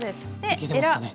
焼けてますかね。